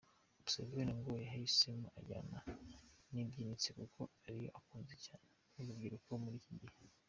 Museveni ngo yahisemo injyana ibyinitse kuko ariyo ikunzwe cyane n’urubyiruko muri iki gihe.